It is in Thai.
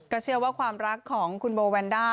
เชื่อว่าความรักของคุณโบแวนด้า